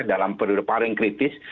dalam periode paling kritis